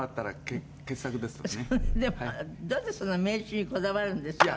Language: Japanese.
どうしてそんな名刺にこだわるんですか？